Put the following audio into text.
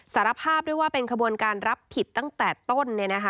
สารภาพด้วยว่าเป็นขบวนการรับผิดตั้งแต่ต้น